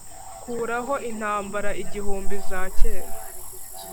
kuraho intambara igihumbi za kera,